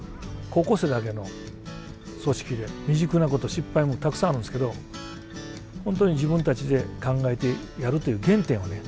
高校生だけの組織で未熟なこと失敗もたくさんあるんですけど本当に自分たちで考えてやるという原点をね